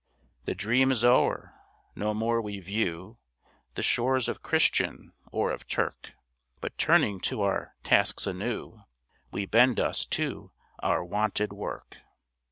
The dream is o'er. No more we view The shores of Christian or of Turk, But turning to our tasks anew, We bend us to our wonted work.